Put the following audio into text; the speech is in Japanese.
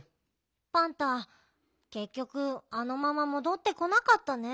パンタけっきょくあのままもどってこなかったね。